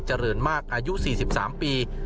เจริญมากอายุ๔๓ปี